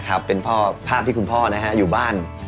ครับเป็นภาพที่คุณพ่อนะฮะอยู่บ้าน